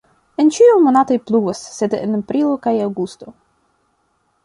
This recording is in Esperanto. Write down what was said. En ĉiuj monatoj pluvas, sed en aprilo kaj aŭgusto.